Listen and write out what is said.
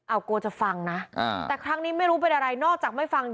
เอากลัวจะฟังนะแต่ครั้งนี้ไม่รู้เป็นอะไรนอกจากไม่ฟัง